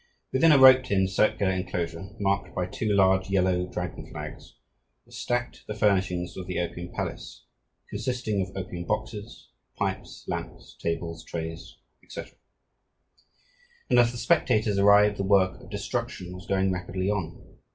Within a roped in, circular enclosure, marked by two large, yellow Dragon Flags, were stacked the furnishings of the Opium Palace, consisting of opium boxes, pipes, lamps, tables, trays, etc., and as the spectators arrived the work of destruction was going rapidly on.